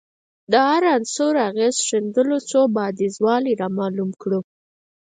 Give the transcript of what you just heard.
د هر عنصر اغېز ښندلو څو بعدیزوالی رامعلوم کړو